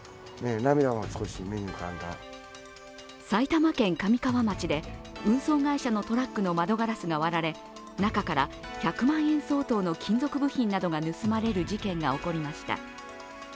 埼玉県神川町で運送会社のトラックの窓ガラスが割られ中から１００万円相当の金属部品などが盗まれる事件が起きました。